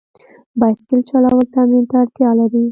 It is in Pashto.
بایسکل چلول تمرین ته اړتیا لري.